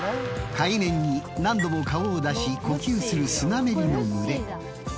海面に何度も顔を出し呼吸するスナメリの群れ。